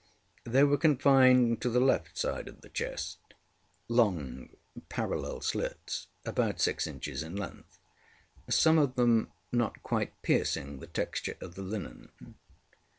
They were confined to the left side of the chestŌĆölong, parallel slits, about six inches in length, some of them not quite piercing the texture of the linen.